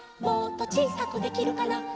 「もっとちいさくできるかな」